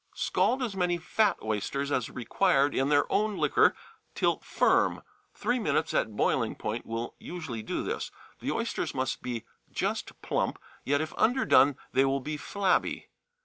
Scald as many fat oysters as required in their own liquor till firm three minutes at boiling point will usually do this; the oysters must be just plump, yet if underdone they will be flabby.